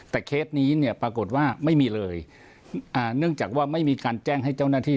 แต่เคสนี้เนี่ยปรากฏว่าไม่มีเลยอ่าเนื่องจากว่าไม่มีการแจ้งให้เจ้าหน้าที่